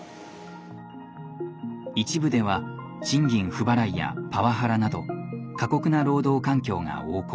一部では賃金不払いやパワハラなど過酷な労働環境が横行。